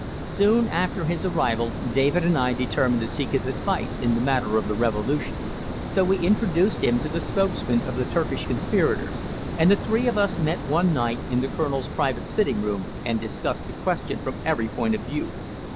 Soon after his arrival David and I determined to seek his advice in the matter of the revolution, so we introduced him to the spokesman of the Turkish conspirators, and the three of us met one night in the colonel's private sitting room and discussed the question from every point of view.